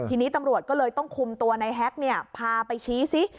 ทีนี้ตำรวจก็เลยต้องคุมตัวในแฮ็กพาไปชี้ซิ